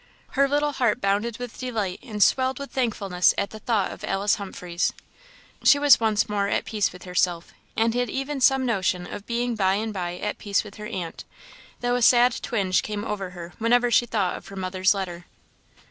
Her little heart bounded with delight and swelled with thankfulness at the thought of Alice Humphreys. She was once more at peace with herself, and had even some notion of being by and by at peace with her aunt; though a sad twinge came over her whenever she thought of her mother's letter.